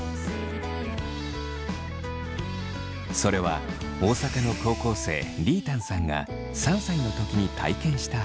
それは大阪の高校生りぃたんさんが３歳の時に体験した話。